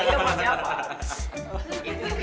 ini yang buat siapa